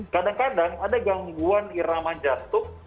kadang kadang ada gangguan irama jantung